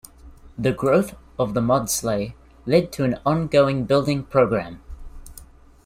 The growth of the Maudsley led to an ongoing building programme.